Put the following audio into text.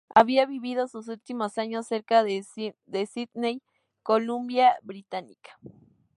Había vivido sus últimos años cerca de Sidney, Columbia Británica.